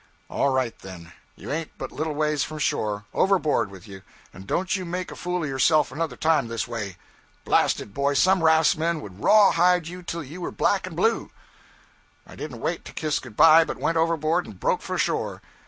'All right, then. You ain't but little ways from shore. Overboard with you, and don't you make a fool of yourself another time this way. Blast it, boy, some raftsmen would rawhide you till you were black and blue!' I didn't wait to kiss good bye, but went overboard and broke for shore.